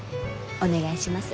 お願いします。